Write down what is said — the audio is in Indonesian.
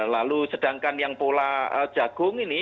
lalu sedangkan yang pola jagung ini